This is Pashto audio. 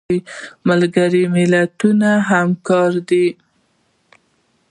ملګري ملتونه همکار دي